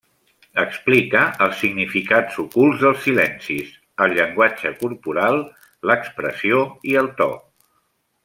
Explica els significats ocults dels silencis, el llenguatge corporal, l'expressió i el to.